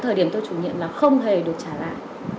thời điểm tôi chủ nhiệm là không hề được trả lại